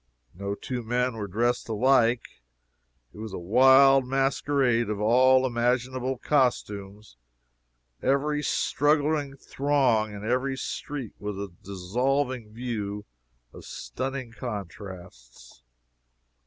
No two men were dressed alike. It was a wild masquerade of all imaginable costumes every struggling throng in every street was a dissolving view of stunning contrasts.